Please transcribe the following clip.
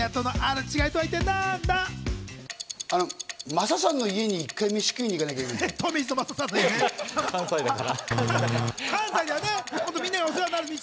雅さんの家に１回飯食いに行かなきゃいけない。